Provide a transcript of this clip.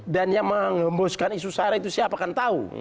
dan yang mengembuskan isu sara itu siapa kan tahu